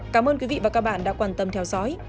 cảm ơn quý vị và các bạn đã quan tâm theo dõi